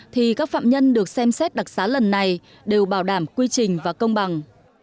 thì các phạm nhân được xem xét đặc xá lần này đều bảo đảm quy trình và công bằng